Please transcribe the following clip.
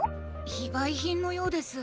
非売品のようです。